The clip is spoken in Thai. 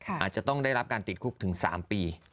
อาจจะต้องได้รับการติดคุกถึง๓ปี